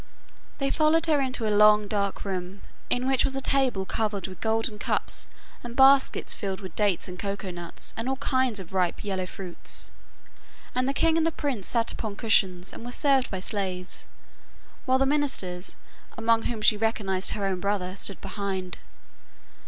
They followed her into a long dark room, in which was a table covered with gold cups and baskets filled with dates and cocoa nuts and all kinds of ripe yellow fruits, and the king and the prince sat upon cushions and were served by slaves, while the ministers, among whom she recognised her own brother, stood behind.